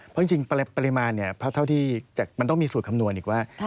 เพราะจริงปริมาณเนี่ยเท่าที่มันต้องมีสูตรคำนวณอีกว่า